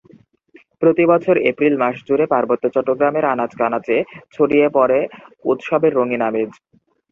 প্রতিবছর এপ্রিল মাসজুড়ে পার্বত্য চট্টগ্রামের আনাচকানাচে ছড়িয়ে পড়ে উৎসবের রঙিন আমেজ।